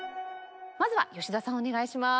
まずは吉田さんお願いします。